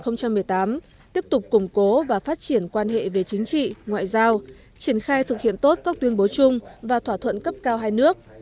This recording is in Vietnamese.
năm hai nghìn một mươi tám tiếp tục củng cố và phát triển quan hệ về chính trị ngoại giao triển khai thực hiện tốt các tuyên bố chung và thỏa thuận cấp cao hai nước